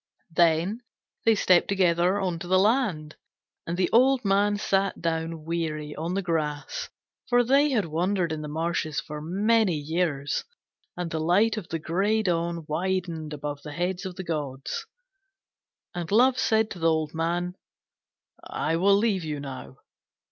Then they stepped together on to the land, and the old man sat down weary on the grass, for they had wandered in the marshes for many years; and the light of the grey dawn widened above the heads of the gods. And Love said to the old man, 'I will leave you now.'